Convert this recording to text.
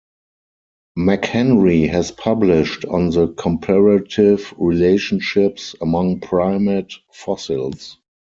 McHenry has published on the comparative relationships among primate fossils.